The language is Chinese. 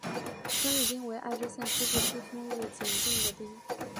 春日町为爱知县西部西春日井郡的町。